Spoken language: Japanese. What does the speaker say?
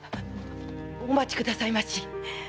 お待ちくださいまし。